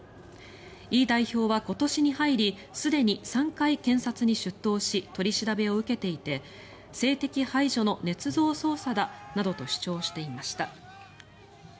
イ代表は今年に入りすでに３回検察に出頭し取り調べを受けていて政敵排除のねつ造捜査だなどと主張していました。